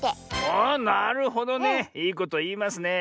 あなるほどね。いいこといいますね。